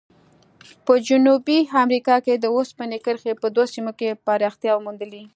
په جنوبي امریکا کې د اوسپنې کرښې په دوو سیمو کې پراختیا موندلې.